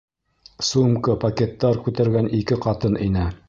Сумка, пакеттар күтәргән ике ҡатын инә.